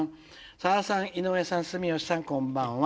「さださん井上さん住吉さんこんばんは」。